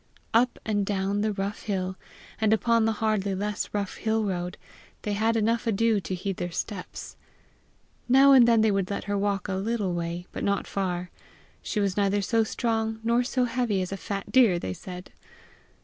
Up and down the rough hill, and upon the hardly less rough hill road, they had enough ado to heed their steps. Now and then they would let her walk a little way, but not far. She was neither so strong nor so heavy as a fat deer, they said.